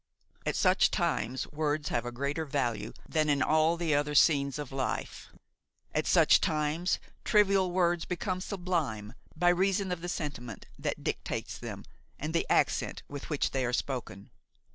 At such times words have a greater value than in all the other scenes of life; at such times trivial words become sublime by reason of the sentiment that dictates them and the accent with which they are spoken.